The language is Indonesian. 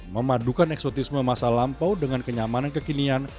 memadukan eksotisme masa lampau dengan kenyamanan kekinian